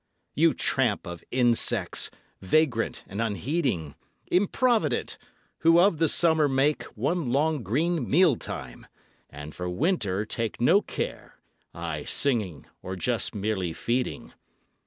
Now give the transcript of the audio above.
You tramp of insects, vagrant and unheeding, Improvident, who of the summer make One long green mealtime, and for winter take No care, aye singing or just merely feeding!